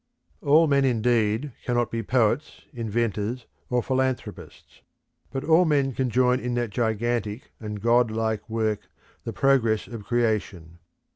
All men indeed cannot be poets, inventors, or philanthropists; but all men can join in that gigantic and god like work, the progress of creation.